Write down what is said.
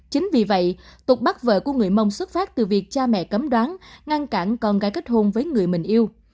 chính vì vậy tục bắt vợ của người mông xuất phát từ việc cha mẹ cấm đoán ngăn cản con gái kết hôn với người mình yêu